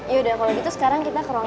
yaudah kalo gitu sekarang kita ke rumah ya